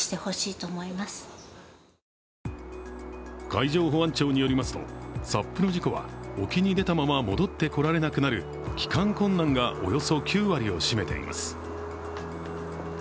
海上保安庁によりますとＳＵＰの事故は沖に出たまま戻ってこられなくなる帰還困難がおよそ９割を占めています。